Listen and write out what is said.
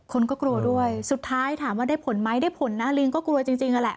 คนก็กลัวด้วยสุดท้ายถามว่าได้ผลไหมได้ผลนะลิงก็กลัวจริงนั่นแหละ